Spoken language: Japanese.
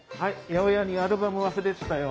八百屋にアルバム忘れてたよ。